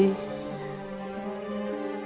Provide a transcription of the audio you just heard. aku terpaksa resi